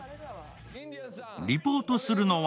リポートするのは